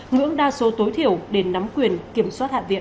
ngưỡng đa số tối thiểu để nắm quyền kiểm soát hạ viện